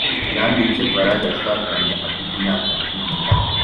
yanditse ballad, yashakanye afite imyaka cumi n'itanu